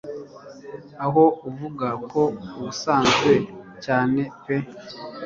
aho uvuga ko ubusanzwe cyane pe